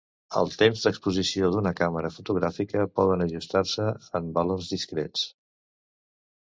Els temps d'exposició d'una càmera fotogràfica poden ajustar-se en valors discrets.